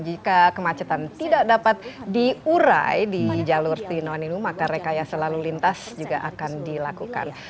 jika kemacetan tidak dapat diurai di jalur tiga in satu ini maka rekaya selalu lintas juga akan dilakukan